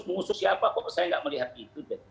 mengusus siapa kok saya enggak melihat itu